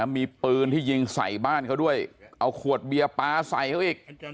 มีปืนที่ยิงใส่บ้านเขาด้วยเอาขวดเบียร์ปลาใส่เขาอีก